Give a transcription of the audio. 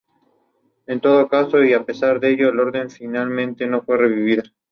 El guion fue a preproducción en la Paramount pero finalmente no se realizó.